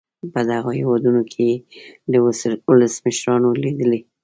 په دغو هېوادونو کې یې له ولسمشرانو لیدلي.